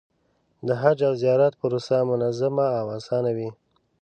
د حج او زیارت پروسه منظمه او اسانه وي.